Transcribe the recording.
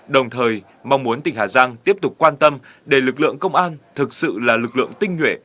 đồng thời mong muốn tỉnh hà giang tiếp tục quan tâm để lực lượng công an thực sự là lực lượng tinh nhuệ